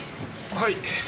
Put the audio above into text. はい。